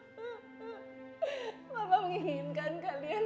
mama menginginkan kalian